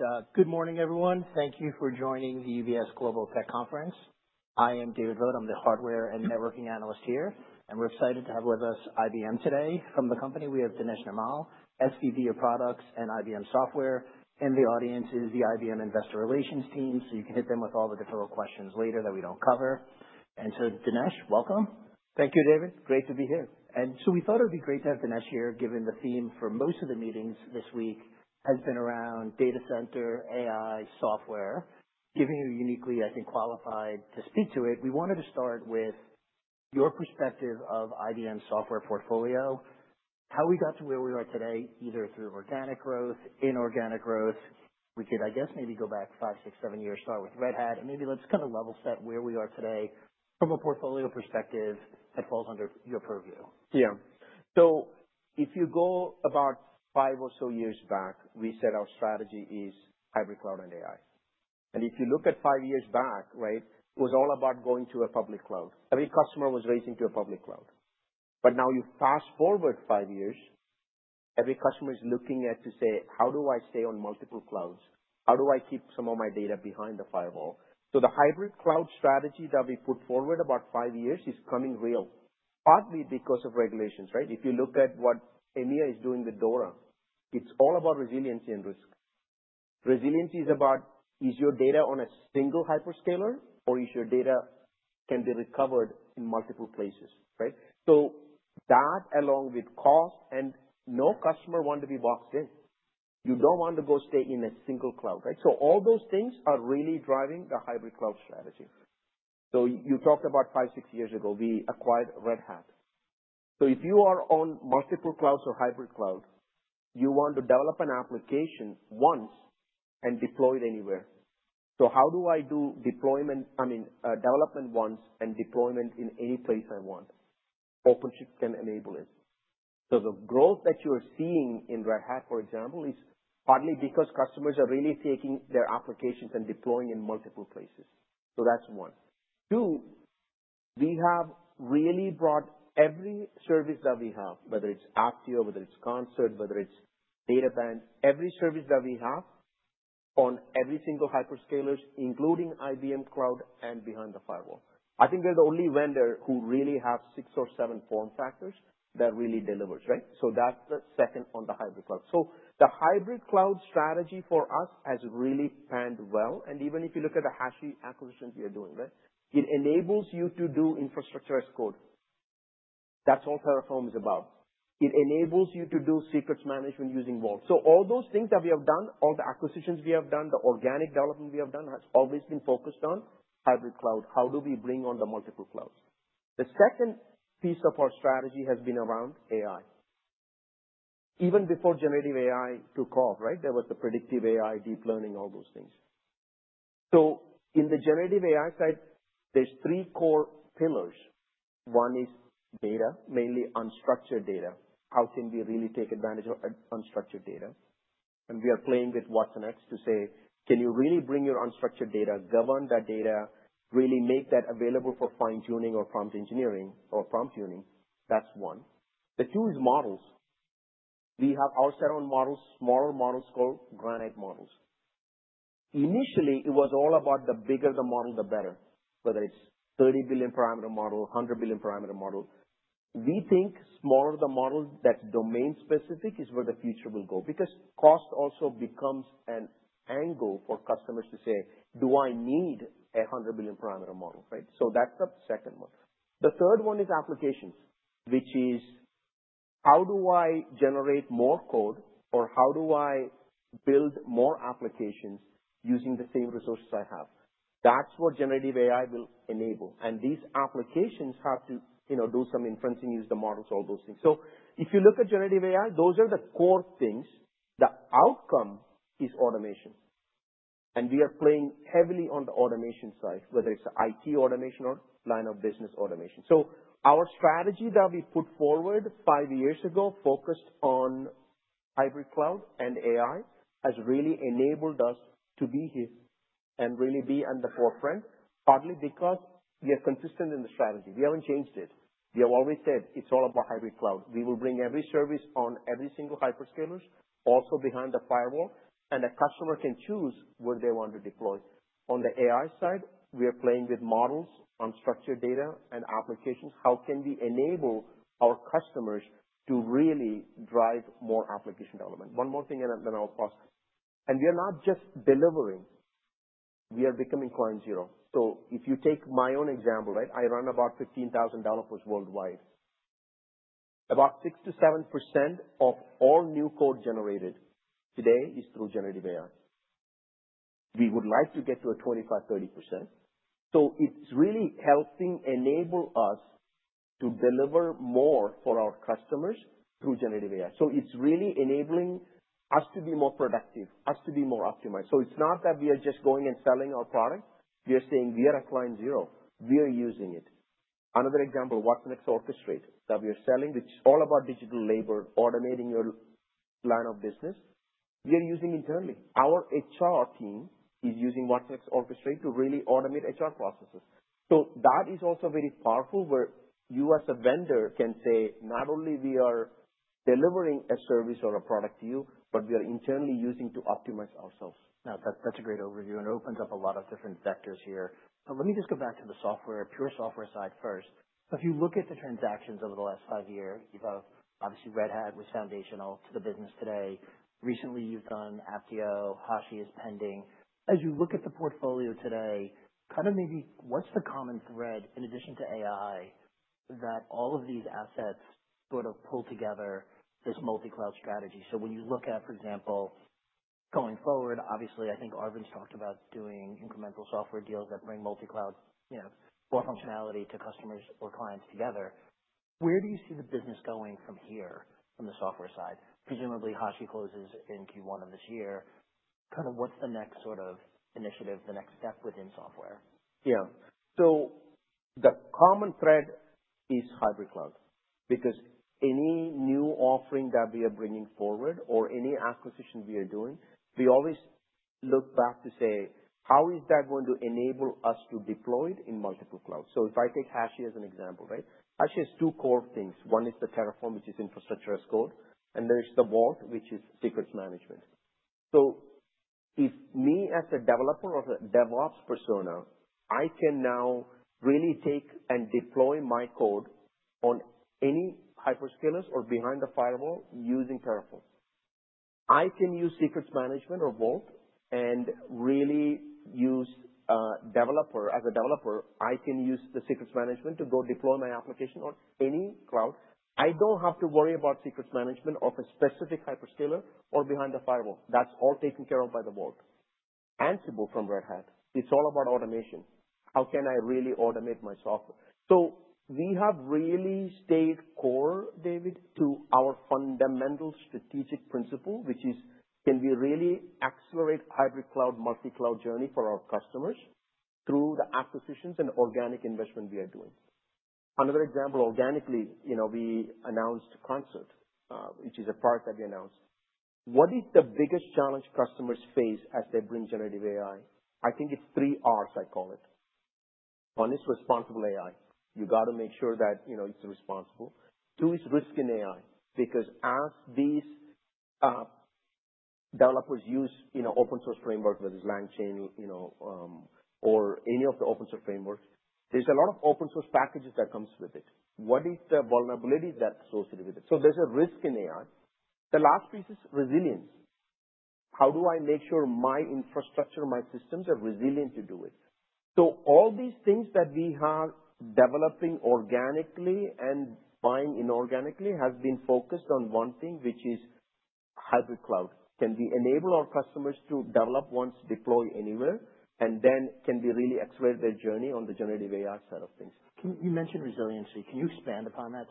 Great. Good morning, everyone. Thank you for joining the UBS Global Tech Conference. I am David Vogt. I'm the hardware and networking analyst here, we're excited to have with us IBM today. From the company, we have Dinesh Nirmal, SVP of products and IBM Software, the audience is the IBM investor relations team, so you can hit them with all the deferral questions later that we don't cover. Dinesh, welcome. Thank you, David. Great to be here. We thought it would be great to have Dinesh here, given the theme for most of the meetings this week has been around data center AI software. Given you're uniquely, I think, qualified to speak to it, we wanted to start with your perspective of IBM Software portfolio, how we got to where we are today, either through organic growth, inorganic growth. We could, I guess, maybe go back five, six, seven years, start with Red Hat, maybe let's level set where we are today from a portfolio perspective that falls under your purview. If you go about five or so years back, we said our strategy is hybrid cloud and AI. If you look at five years back, right? It was all about going to a public cloud. Every customer was racing to a public cloud. Now you fast-forward five years, every customer is looking at to say, "How do I stay on multiple clouds? How do I keep some of my data behind the firewall?" The hybrid cloud strategy that we put forward about five years is coming real, partly because of regulations, right? If you look at what EMEA is doing with DORA, it's all about resiliency and risk. Resiliency is about, is your data on a single hyperscaler, or is your data can be recovered in multiple places, right? That, along with cost, no customer want to be boxed in. You don't want to go stay in a single cloud. All those things are really driving the hybrid cloud strategy. You talked about five, six years ago, we acquired Red Hat. If you are on multiple clouds or hybrid cloud, you want to develop an application once and deploy it anywhere. How do I do deployment I mean, development once and deployment in any place I want? OpenShift can enable it. The growth that you're seeing in Red Hat, for example, is partly because customers are really taking their applications and deploying in multiple places. That's one. Two, we have really brought every service that we have, whether it's Apptio, whether it's Concert, whether it's Databand, every service that we have on every single hyperscalers, including IBM Cloud and behind the firewall. I think we're the only vendor who really have 6 or 7 form factors that really delivers, right? That's the second on the hybrid cloud. The hybrid cloud strategy for us has really panned well, and even if you look at the Hashi acquisitions we are doing, right? It enables you to do infrastructure as code. That's all Terraform is about. It enables you to do secrets management using Vault. All those things that we have done, all the acquisitions we have done, the organic development we have done, has always been focused on hybrid cloud. How do we bring on the multiple clouds? The second piece of our strategy has been around AI. Even before generative AI took off, right? There was the predictive AI, deep learning, all those things. In the generative AI side, there's 3 core pillars. One is data, mainly unstructured data. How can we really take advantage of unstructured data? We are playing with watsonx to say, can you really bring your unstructured data, govern that data, really make that available for fine-tuning or prompt engineering or prompt tuning? That's one. The two is models. We have our set of models, smaller models called Granite models. Initially, it was all about the bigger the model, the better, whether it's 30 billion parameter model, 100 billion parameter model. We think smaller the model that's domain-specific is where the future will go. Because cost also becomes an angle for customers to say, "Do I need 100 billion parameter model?" Right? That's the second one. The third one is applications, which is, how do I generate more code, or how do I build more applications using the same resources I have? That's what generative AI will enable. These applications have to do some inferencing, use the models, all those things. If you look at generative AI, those are the core things. The outcome is automation. We are playing heavily on the automation side, whether it's IT automation or line of business automation. Our strategy that we put forward five years ago focused on hybrid cloud and AI has really enabled us to be here and really be in the forefront, partly because we are consistent in the strategy. We haven't changed it. We have always said it's all about hybrid cloud. We will bring every service on every single hyperscalers, also behind the firewall, and a customer can choose where they want to deploy. On the AI side, we are playing with models, unstructured data, and applications. How can we enable our customers to really drive more application development? One more thing. Then I'll pause. We are not just delivering, we are becoming client zero. If you take my own example, right? I run about 15,000 developers worldwide. About 6%-7% of all new code generated today is through generative AI. We would like to get to a 25%-30%. It's really helping enable us to deliver more for our customers through generative AI. It's really enabling us to be more productive, us to be more optimized. It's not that we are just going and selling our product. We are saying we are a client zero. We are using it. Another example, watsonx Orchestrate that we are selling, which is all about digital labor, automating your line of business. We are using internally. Our HR team is using watsonx Orchestrate to really automate HR processes. That is also very powerful where you as a vendor can say, not only we are delivering a service or a product to you, but we are internally using to optimize ourselves. That's a great overview, and it opens up a lot of different vectors here. Let me just go back to the software, pure software side first. If you look at the transactions over the last five years, you've obviously, Red Hat was foundational to the business today. Recently, you've done Apptio, HashiCorp is pending. As you look at the portfolio today, maybe what's the common thread in addition to AI that all of these assets sort of pull together this multi-cloud strategy? When you look at, for example, going forward, obviously, I think Arvind's talked about doing incremental software deals that bring multi-cloud, more functionality to customers or clients together. Where do you see the business going from here from the software side? Presumably HashiCorp closes in Q1 of this year. What's the next sort of initiative, the next step within software? Yeah. The common thread is hybrid cloud, because any new offering that we are bringing forward or any acquisition we are doing, we always look back to say, how is that going to enable us to deploy it in multiple clouds? If I take HashiCorp as an example, right? HashiCorp has two core things. One is the Terraform, which is infrastructure as code, and there is the Vault, which is secrets management. If me, as a developer or as a DevOps persona, I can now really take and deploy my code on any hyperscalers or behind the firewall using Terraform. I can use secrets management or Vault and really use, as a developer, I can use the secrets management to go deploy my application on any cloud. I don't have to worry about secrets management of a specific hyperscaler or behind the firewall. That's all taken care of by the Vault. Ansible from Red Hat, it's all about automation. How can I really automate my software? We have really stayed core, David, to our fundamental strategic principle, which is, can we really accelerate hybrid cloud, multi-cloud journey for our customers through the acquisitions and organic investment we are doing? Another example, organically, we announced Concert, which is a product that we announced. What is the biggest challenge customers face as they bring generative AI? I think it's three Rs, I call it. One is responsible AI. You got to make sure that it's responsible. Two is risk in AI, because as these developers use open source framework, whether it's LangChain, or any of the open source frameworks, there's a lot of open source packages that comes with it. What is the vulnerability that's associated with it? There's a risk in AI. The last piece is resilience. How do I make sure my infrastructure, my systems are resilient to do it? All these things that we are developing organically and buying inorganically has been focused on one thing, which is hybrid cloud. Can we enable our customers to develop once, deploy anywhere, and then can we really accelerate their journey on the generative AI side of things? You mentioned resiliency. Can you expand upon that?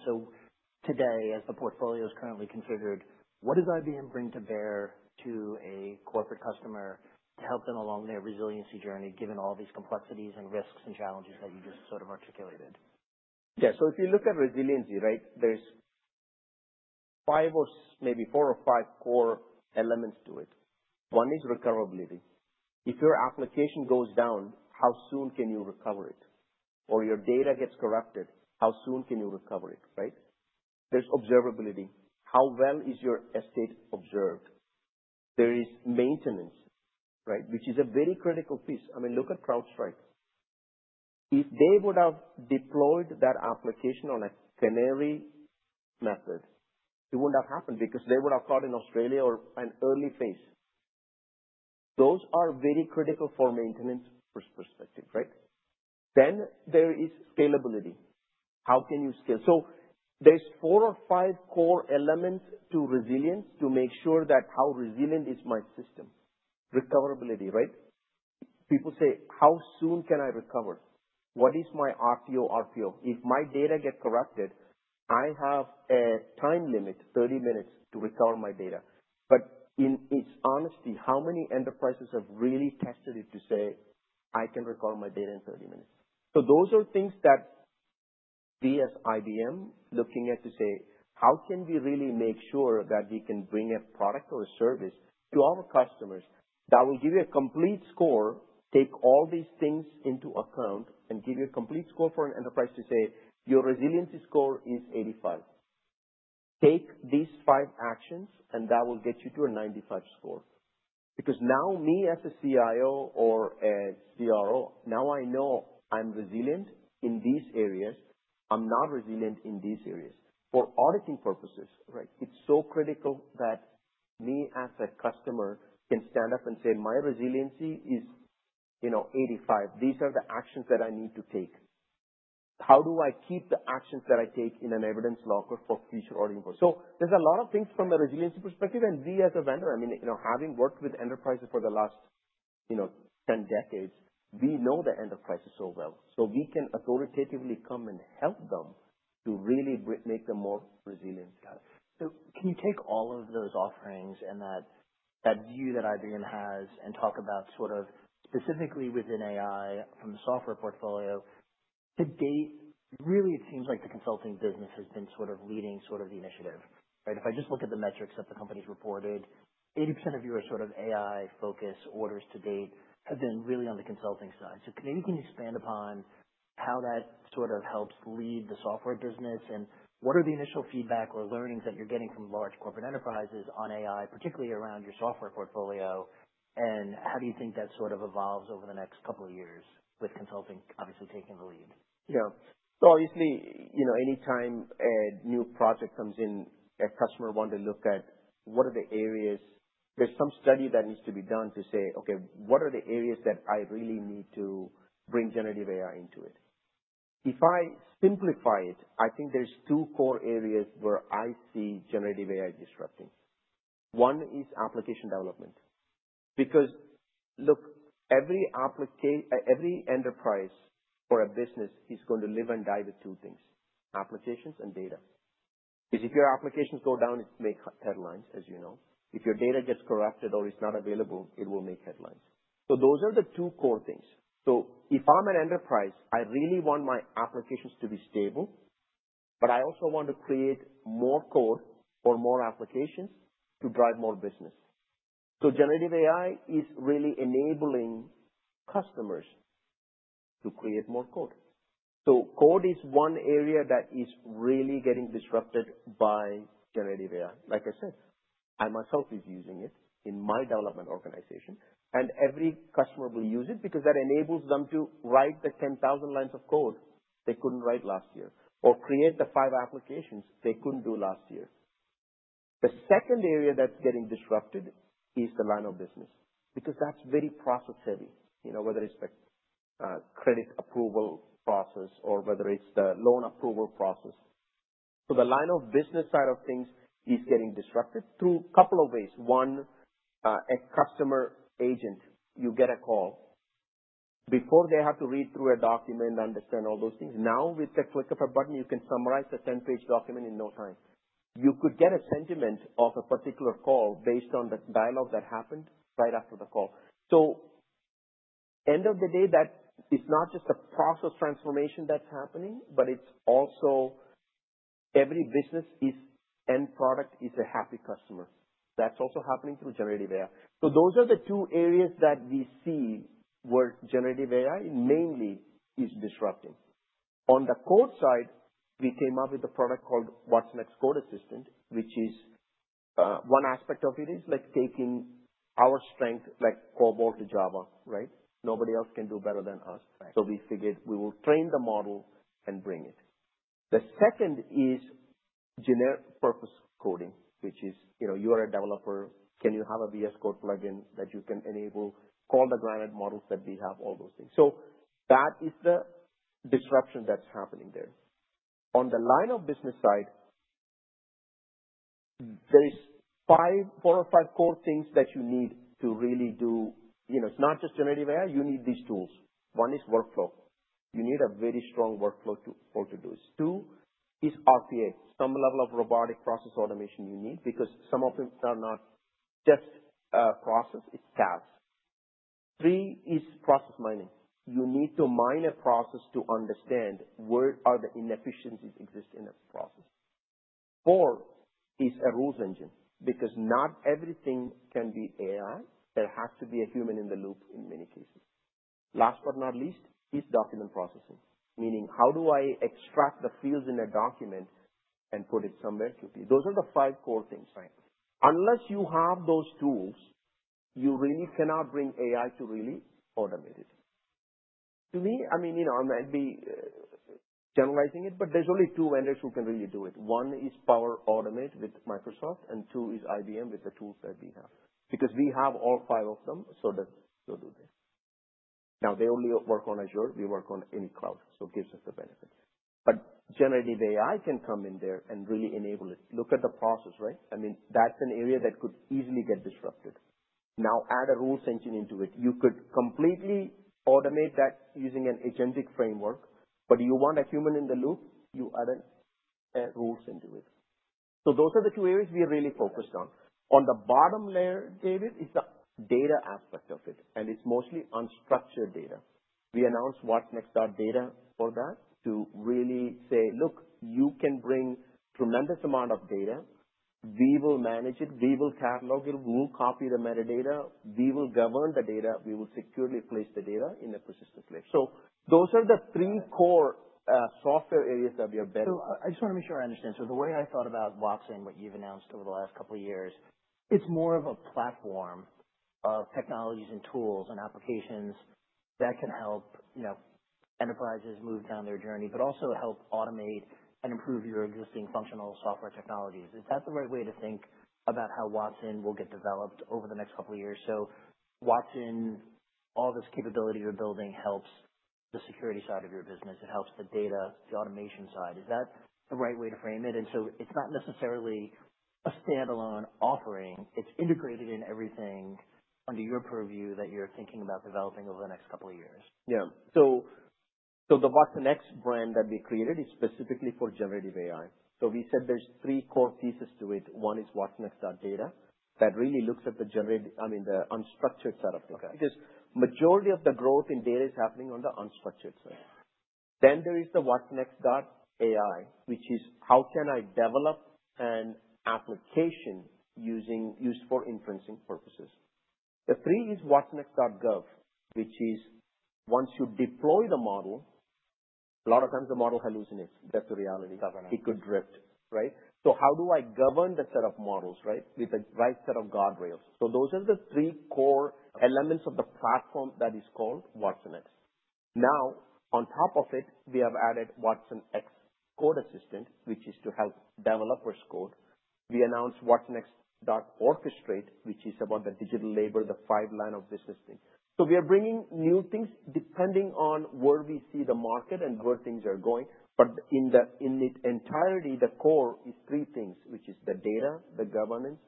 Today, as the portfolio is currently configured, what does IBM bring to bear to a corporate customer to help them along their resiliency journey, given all these complexities and risks and challenges that you just sort of articulated? Yeah. If you look at resiliency, right? There's maybe four or five core elements to it. One is recoverability. If your application goes down, how soon can you recover it? Or your data gets corrupted, how soon can you recover it, right? There's observability. How well is your estate observed? There is maintenance, right? Which is a very critical piece. I mean, look at CrowdStrike. If they would have deployed that application on a canary method, it wouldn't have happened because they would have caught in Australia or an early phase. Those are very critical for maintenance perspective, right? There is scalability. How can you scale? There's four or five core elements to resilience to make sure that how resilient is my system. Recoverability, right? People say, "How soon can I recover? What is my RTO, RPO? If my data get corrupted, I have a time limit, 30 minutes to recover my data." In its honesty, how many enterprises have really tested it to say, "I can recover my data in 30 minutes"? Those are things that we as IBM looking at to say, how can we really make sure that we can bring a product or a service to our customers that will give you a complete score, take all these things into account, and give you a complete score for an enterprise to say, "Your resiliency score is 85. Take these five actions, and that will get you to a 95 score." Now me as a CIO or a CRO, now I know I'm resilient in these areas. I'm not resilient in these areas. For auditing purposes, right? It's so critical that me as a customer can stand up and say, "My resiliency is 85. These are the actions that I need to take." How do I keep the actions that I take in an evidence locker for future audit? There's a lot of things from a resiliency perspective, and we as a vendor, I mean, having worked with enterprises for the last 10 decades, we know the enterprises so well. We can authoritatively come and help them to really make them more resilient. Can you take all of those offerings and that view that IBM has and talk about sort of specifically within AI from the software portfolio to date? Really, it seems like the consulting business has been leading the initiative, right? If I just look at the metrics that the company's reported, 80% of your AI-focused orders to date have been really on the consulting side. Maybe can you expand upon how that helps lead the software business, and what are the initial feedback or learnings that you're getting from large corporate enterprises on AI, particularly around your software portfolio, and how do you think that sort of evolves over the next couple of years with consulting obviously taking the lead? Yeah. Obviously, anytime a new project comes in, a customer wants to look at what are the areas. There's some study that needs to be done to say, "Okay, what are the areas that I really need to bring generative AI into it?" If I simplify it, I think there's two core areas where I see generative AI disrupting. One is application development. Look, every enterprise or a business is going to live and die with two things, applications and data. If your applications go down, it makes headlines, as you know. If your data gets corrupted or is not available, it will make headlines. Those are the two core things. If I'm an enterprise, I really want my applications to be stable, but I also want to create more code or more applications to drive more business. Generative AI is really enabling customers to create more code. Code is one area that is really getting disrupted by generative AI. Like I said, I myself is using it in my development organization, every customer will use it because that enables them to write the 10,000 lines of code they couldn't write last year or create the five applications they couldn't do last year. The second area that's getting disrupted is the line of business, because that's very process-heavy. Whether it's the credit approval process or whether it's the loan approval process. The line of business side of things is getting disrupted through a couple of ways. One, a customer agent, you get a call. Before they have to read through a document, understand all those things. Now, with the click of a button, you can summarize the 10-page document in no time. You could get a sentiment of a particular call based on the dialogue that happened right after the call. End of the day, that is not just a process transformation that's happening, but it's also every business' end product is a happy customer. That's also happening through generative AI. Those are the two areas that we see where generative AI mainly is disrupting. On the code side, we came up with a product called watsonx Code Assistant, which is, one aspect of it is taking our strength, like COBOL to Java, right? Nobody else can do better than us. Right. We figured we will train the model and bring it. The second is generic purpose coding, which is, you are a developer, can you have a VS Code plugin that you can enable, call the Granite models that we have, all those things. That is the disruption that's happening there. On the line of business side, there is four or five core things that you need to really do. It's not just generative AI. You need these tools. One is workflow. You need a very strong workflow for to-dos. Two is RPA. Some level of robotic process automation you need, because some of them are not just a process, it's tasks. Three is process mining. You need to mine a process to understand where are the inefficiencies existing in a process. Four is a rules engine, because not everything can be AI. There has to be a human in the loop in many cases. Last but not least, is document processing. Meaning, how do I extract the fields in a document and put it somewhere to be? Those are the five core things. Right. Unless you have those tools, you really cannot bring AI to really automate it. To me, I might be generalizing it, but there's only two vendors who can really do it. One is Power Automate with Microsoft, and two is IBM with the tools that we have. We have all five of them, so that they'll do this. They only work on Azure, we work on any cloud, so it gives us the benefit. Generative AI can come in there and really enable it. Look at the process, right. That's an area that could easily get disrupted. Add a rules engine into it. You could completely automate that using an agentic framework. You want a human in the loop, you add a rules engine to it. Those are the two areas we are really focused on. On the bottom layer, David, is the data aspect of it, and it's mostly unstructured data. We announced watsonx.data for that to really say, "Look, you can bring tremendous amount of data. We will manage it, we will catalog it, we will copy the metadata, we will govern the data, we will securely place the data in a persistent place." Those are the three core software areas that we are betting. I just want to make sure I understand. The way I thought about Watson, what you've announced over the last couple of years, it's more of a platform of technologies and tools and applications that can help enterprises move down their journey, but also help automate and improve your existing functional software technologies. Is that the right way to think about how Watson will get developed over the next couple of years? Watson, all this capability you're building helps the security side of your business. It helps the data, the automation side. Is that the right way to frame it? It's not necessarily a standalone offering. It's integrated in everything under your purview that you're thinking about developing over the next couple of years. Yeah. The watsonx brand that we created is specifically for generative AI. We said there's three core pieces to it. One is watsonx.data. That really looks at the unstructured set of data. Majority of the growth in data is happening on the unstructured side. There is the watsonx.ai, which is how can I develop an application used for inferencing purposes? The three is watsonx.governance, which is once you deploy the model, a lot of times the model hallucinates. That's the reality. Governor. It could drift, right? How do I govern the set of models, right? With the right set of guardrails. Those are the 3 core elements of the platform that is called watsonx. Now, on top of it, we have added watsonx Code Assistant, which is to help developers code. We announced watsonx Orchestrate, which is about the digital labor, the 5 line of business thing. We are bringing new things depending on where we see the market and where things are going. In its entirety, the core is 3 things, which is the data, the governance,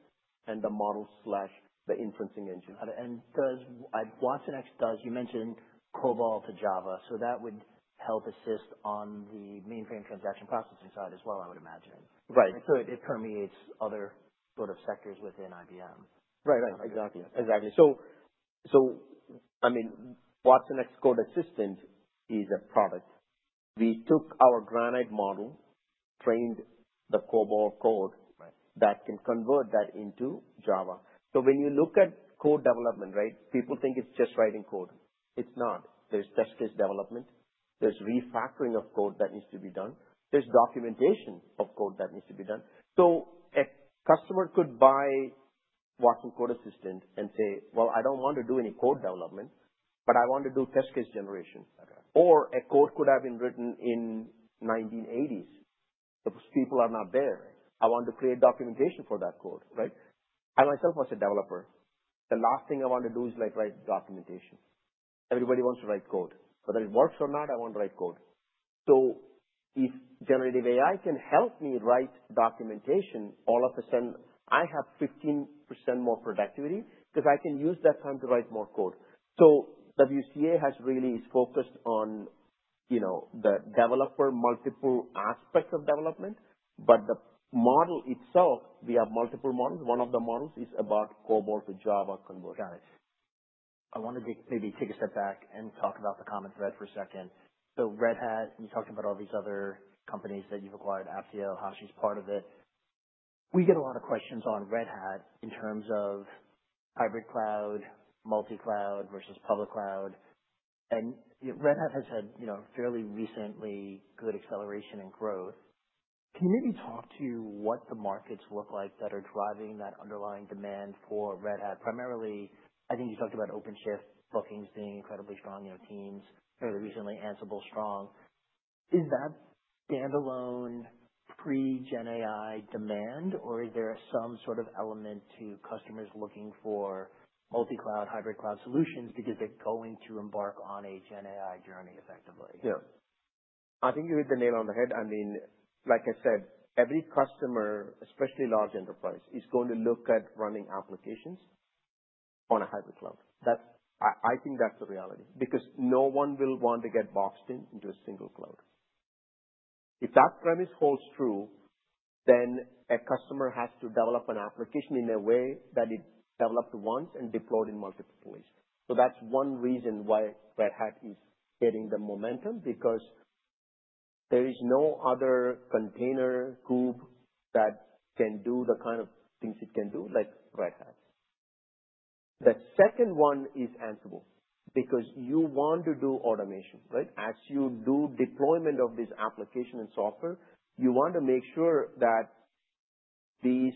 and the model/the inferencing engine. Does watsonx, you mentioned COBOL to Java, that would help assist on the mainframe transaction processing side as well, I would imagine. Right. It permeates other sort of sectors within IBM. Right. Exactly. watsonx Code Assistant is a product. We took our Granite model, trained the COBOL code. Right. That can convert that into Java. When you look at code development, right, people think it's just writing code. It's not. There's test case development. There's refactoring of code that needs to be done. There's documentation of code that needs to be done. A customer could buy watsonx Code Assistant and say, "Well, I don't want to do any code development, but I want to do test case generation. Okay. A code could have been written in the 1980s. Those people are not there. I want to create documentation for that code, right? I myself was a developer. The last thing I want to do is write documentation. Everybody wants to write code. Whether it works or not, I want to write code. If generative AI can help me write documentation, all of a sudden, I have 15% more productivity because I can use that time to write more code. WCA has really focused on the developer, multiple aspects of development. The model itself, we have multiple models. One of the models is about COBOL to Java conversion. Got it. I wanted to maybe take a step back and talk about the common thread for a second. Red Hat, you talked about all these other companies that you've acquired, Apptio, HashiCorp's part of it. We get a lot of questions on Red Hat in terms of hybrid cloud, multi-cloud versus public cloud. Red Hat has had fairly recently good acceleration and growth. Can you maybe talk to what the markets look like that are driving that underlying demand for Red Hat? Primarily, I think you talked about OpenShift bookings being incredibly strong, teams fairly recently, Ansible's strong. Is that standalone pre-gen AI demand or is there some sort of element to customers looking for multi-cloud, hybrid cloud solutions because they're going to embark on a gen AI journey effectively? Yeah. I think you hit the nail on the head. Like I said, every customer, especially large enterprise, is going to look at running applications on a hybrid cloud. I think that's the reality, because no one will want to get boxed in into a single cloud. If that premise holds true, then a customer has to develop an application in a way that is developed once and deployed in multiple places. That's one reason why Red Hat is getting the momentum, because there is no other container group that can do the kind of things it can do like Red Hat. The second one is Ansible, because you want to do automation, right? As you do deployment of this application and software, you want to make sure that these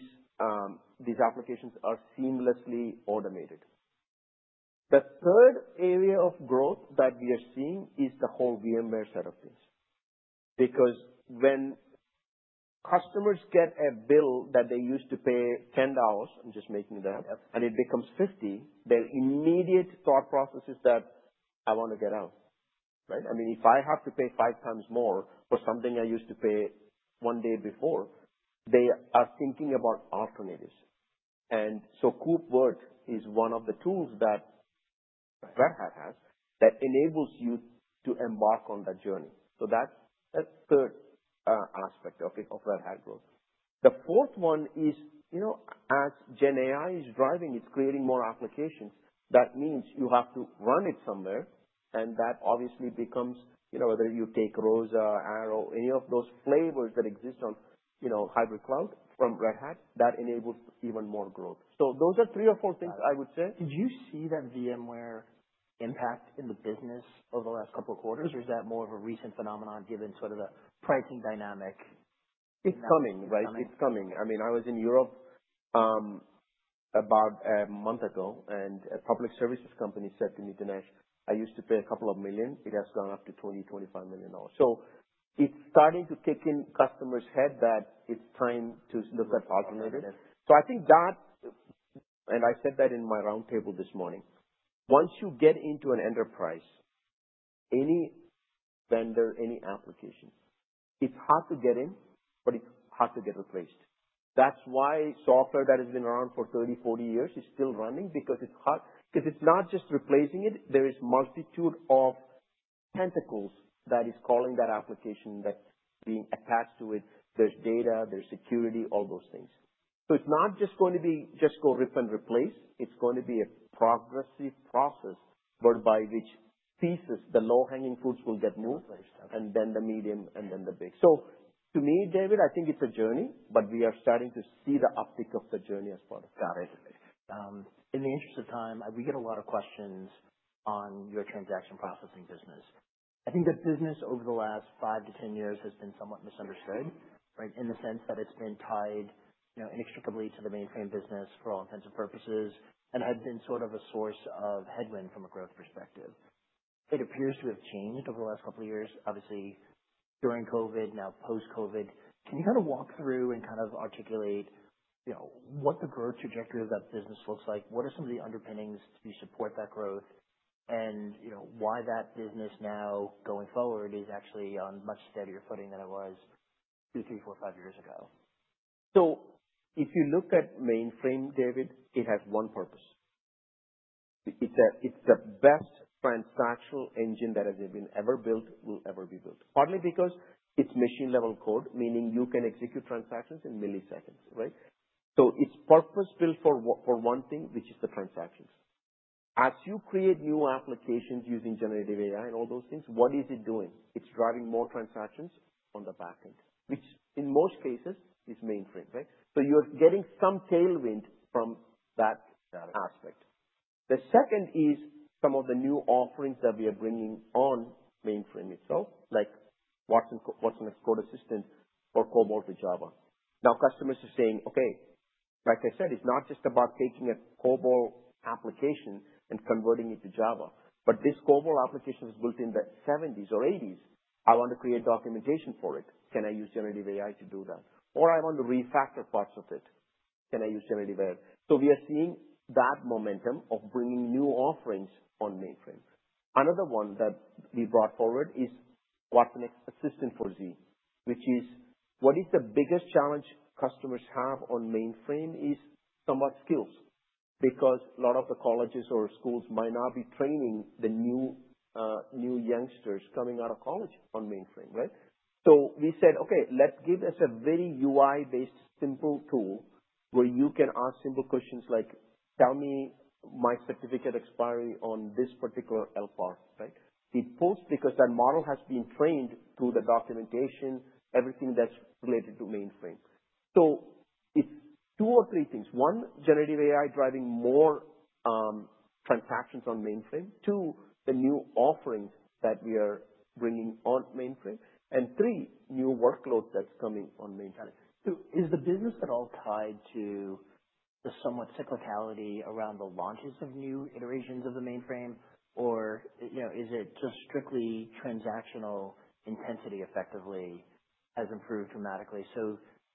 applications are seamlessly automated. The third area of growth that we are seeing is the whole VMware set of things. When customers get a bill that they used to pay $10, I'm just making that up, and it becomes $50, their immediate thought process is that I want to get out, right? If I have to pay five times more for something I used to pay one day before, they are thinking about alternatives. KubeVirt is one of the tools that Red Hat has that enables you to embark on that journey. That's the third aspect of it, of Red Hat growth. The fourth one is, as Gen AI is driving, it's creating more applications. That means you have to run it somewhere, and that obviously becomes, whether you take ROSA, ARO, any of those flavors that exist on hybrid cloud from Red Hat, that enables even more growth. Those are three or four things I would say. Did you see that VMware impact in the business over the last couple of quarters? Or is that more of a recent phenomenon given sort of the pricing dynamic? It's coming, right? It's coming. I was in Europe about a month ago, a public services company said to me, "Dinesh, I used to pay a couple of million. It has gone up to $20 million, $25 million." It's starting to kick in customers' head that it's time to look at alternatives. I think that, and I said that in my roundtable this morning. Once you get into an enterprise, any vendor, any application, it's hard to get in, but it's hard to get replaced. That's why software that has been around for 30, 40 years is still running because it's hard. It's not just replacing it, there is multitude of tentacles that is calling that application that's being attached to it. There's data, there's security, all those things. It's not just going to be just go rip and replace. It's going to be a progressive process whereby which pieces, the low-hanging fruits will get moved. Understood Then the medium, then the big. To me, David, I think it's a journey, but we are starting to see the uptick of the journey as part of that. Got it. In the interest of time, we get a lot of questions on your transaction processing business. I think that business over the last 5-10 years has been somewhat misunderstood, right? In the sense that it's been tied inextricably to the mainframe business for all intents and purposes, and had been sort of a source of headwind from a growth perspective. It appears to have changed over the last couple of years, obviously during COVID, now post-COVID. Can you walk through and articulate what the growth trajectory of that business looks like? What are some of the underpinnings to support that growth? Why that business now going forward is actually on much steadier footing than it was two, three, four, five years ago. If you look at mainframe, David, it has one purpose. It's the best transactional engine that has been ever built, will ever be built. Partly because it's machine-level code, meaning you can execute transactions in milliseconds, right? It's purpose-built for one thing, which is the transactions. As you create new applications using generative AI and all those things, what is it doing? It's driving more transactions on the back end, which in most cases is mainframe, right? You're getting some tailwind from that aspect. The second is some of the new offerings that we are bringing on mainframe itself, like watsonx Code Assistant or COBOL to Java. Now customers are saying, "Okay," like I said, it's not just about taking a COBOL application and converting it to Java. This COBOL application was built in the '70s or '80s. I want to create documentation for it. Can I use generative AI to do that? Or I want to refactor parts of it. Can I use generative AI? We are seeing that momentum of bringing new offerings on mainframe. Another one that we brought forward is watsonx Assistant for Z, which is, what is the biggest challenge customers have on mainframe is somewhat skills. Because a lot of the colleges or schools might not be training the new youngsters coming out of college on mainframe, right? We said, "Okay, let's give us a very UI-based simple tool where you can ask simple questions like, tell me my certificate expiry on this particular LPAR," right? It posts because that model has been trained through the documentation, everything that's related to mainframe. It's two or three things. One, generative AI driving more transactions on mainframe. Two, the new offerings that we are bringing on mainframe, three, new workloads that's coming on mainframe. Is the business at all tied to the somewhat cyclicality around the launches of new iterations of the mainframe? Is it just strictly transactional intensity effectively has improved dramatically?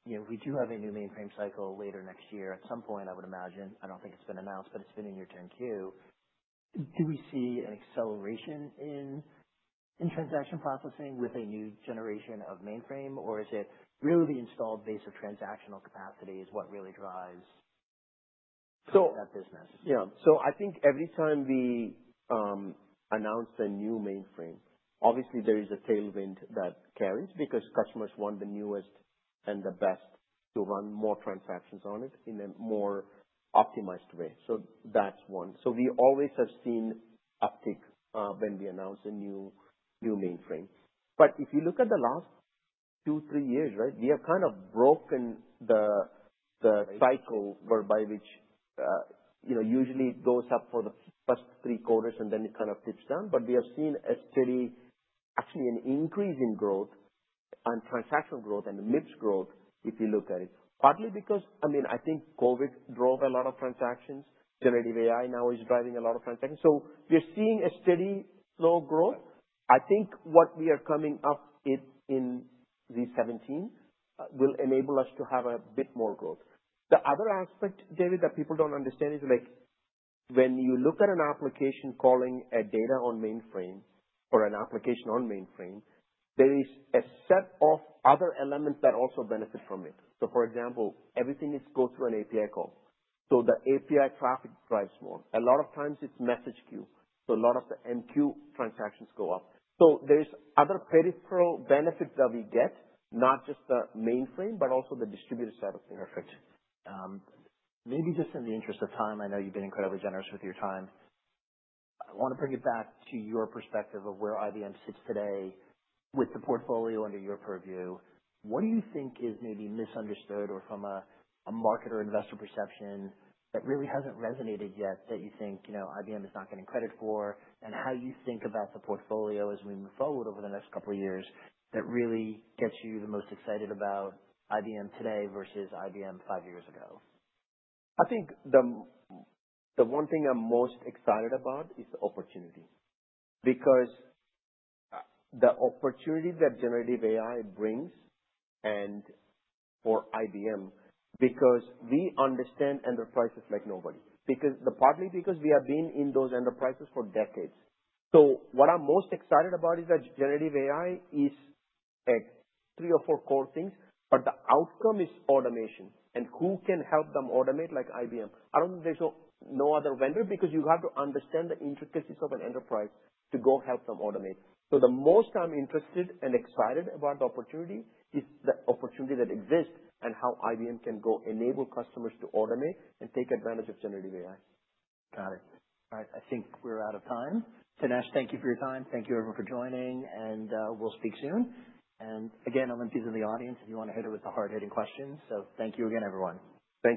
We do have a new mainframe cycle later next year. At some point, I would imagine, I don't think it's been announced, but it's been in your turn queue. Do we see an acceleration in transaction processing with a new generation of mainframe? Or is it really the installed base of transactional capacity is what really drives So- that business? I think every time we announce a new mainframe, obviously there is a tailwind that carries because customers want the newest and the best to run more transactions on it in a more optimized way. That's one. We always have seen uptick when we announce a new mainframe. If you look at the last two, three years, right? We have kind of broken the cycle whereby which, usually it goes up for the first three quarters, and then it kind of dips down. We have seen a steady, actually an increase in growth and transaction growth and the mix growth if you look at it. Partly because, I think COVID drove a lot of transactions. Generative AI now is driving a lot of transactions. We are seeing a steady flow of growth. I think what we are coming up in Z17 will enable us to have a bit more growth. The other aspect, David, that people don't understand is, when you look at an application calling a data on mainframe or an application on mainframe, there is a set of other elements that also benefit from it. For example, everything goes through an API call. The API traffic drives more. A lot of times it's message queue, so a lot of the MQ transactions go up. There is other peripheral benefits that we get, not just the mainframe, but also the distributed set of benefits. Perfect. Maybe just in the interest of time, I know you've been incredibly generous with your time. I want to bring it back to your perspective of where IBM sits today with the portfolio under your purview. What do you think is maybe misunderstood or from a market or investor perception that really hasn't resonated yet that you think IBM is not getting credit for? How you think about the portfolio as we move forward over the next couple of years that really gets you the most excited about IBM today versus IBM five years ago? I think the one thing I'm most excited about is the opportunity. The opportunity that generative AI brings, for IBM, we understand enterprises like nobody. Partly because we have been in those enterprises for decades. What I'm most excited about is that generative AI is at three or four core things, the outcome is automation, who can help them automate like IBM? I don't think there's no other vendor because you have to understand the intricacies of an enterprise to go help them automate. The most I'm interested and excited about the opportunity is the opportunity that exists and how IBM can go enable customers to automate and take advantage of generative AI. Got it. All right. I think we're out of time. Dinesh, thank you for your time. Thank you everyone for joining. We'll speak soon. Again, Olympics is in the audience if you want to hit her with the hard-hitting questions. Thank you again, everyone.